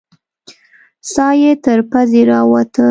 ساه يې تر پزې راووته.